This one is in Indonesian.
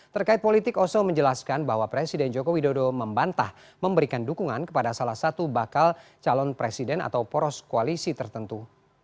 terkait politik oso menjelaskan bahwa presiden joko widodo membantah memberikan dukungan kepada salah satu bakal calon presiden atau poros koalisi tertentu